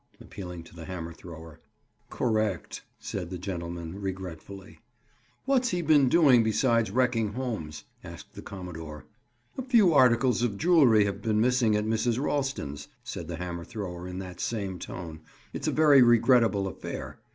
Appealing to the hammer thrower. "Correct," said that gentleman regretfully. "What's he been doing besides wrecking homes?" asked the commodore. "A few articles of jewelry have been missing at Mrs. Ralston's," said the hammer thrower in that same tone. "It's a very regrettable affair.